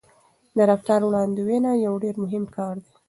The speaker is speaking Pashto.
د رفتار وړاندوينه یو ډېر مهم کار دی.